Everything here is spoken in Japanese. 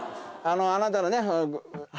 あのあなたのね。